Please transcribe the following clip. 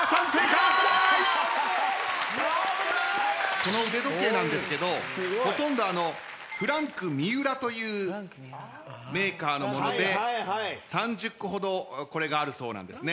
この腕時計なんですけどほとんどフランク三浦というメーカーのもので３０個ほどこれがあるそうなんですね。